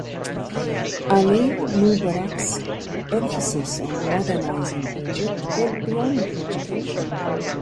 'Ali Mubarak's emphasis on modernizing Egypt went beyond education.